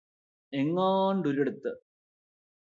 എങ്ങാണ്ടൊരിടത്ത്